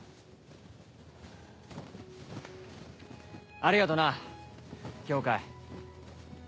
ありがとな羌。